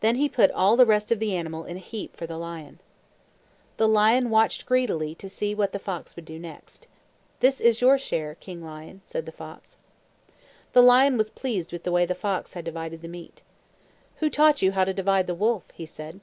Then he put all the rest of the animal in a heap for the lion. The lion watched greedily to see what the fox would do next. "This is your share, King Lion," said the fox. The lion was pleased with the way the fox had divided the meat. "Who taught you how to divide the wolf?" he said.